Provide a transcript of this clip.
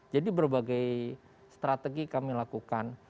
jadi berbagai strategi kami lakukan